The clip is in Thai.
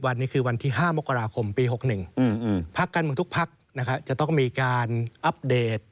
วันนี้คือวันที่๕มกราคมปี๖๑พักการเมืองทุกพักจะต้องมีการอัปเดต